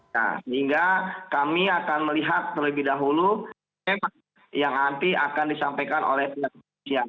nah sehingga kami akan melihat terlebih dahulu memang yang nanti akan disampaikan oleh pihak kepolisian